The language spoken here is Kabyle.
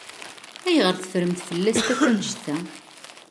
Ayɣer i teffremt fell-asent akk annect-a?